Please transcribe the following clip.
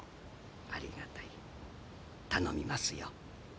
ありがたい頼みますよ。